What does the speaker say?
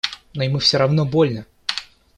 Но ему все равно больно.